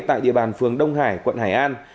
tại địa bàn phường đông hải quận hải an